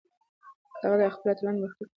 هغه د خپلو اتلانو برخلیک پخپله ټاکلی و.